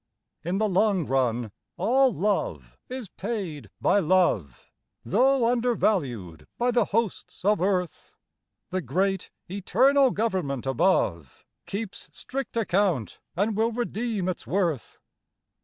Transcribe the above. In the long run all love is paid by love, Though undervalued by the hosts of earth; The great eternal Government above Keeps strict account and will redeem its worth.